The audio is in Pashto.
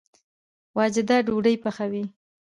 واجده ډوډۍ پخوي